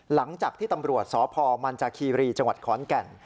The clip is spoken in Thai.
หลังจากที่ตำรวจสพมันจากคีรีจังหวัดขอนแก่น